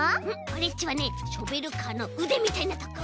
オレっちはねショベルカーのうでみたいなとこ。